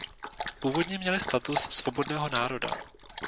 Původně měli status svobodného národa.